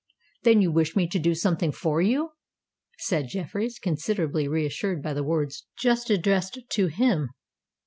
"Then you wish me to do something for you?" said Jeffreys, considerably reassured by the words just addressed to him.